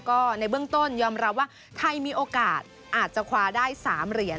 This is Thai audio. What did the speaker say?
ก็ในเบื้องต้นยอมรับว่าไทยมีโอกาสอาจจะคว้าได้๓เหรียญ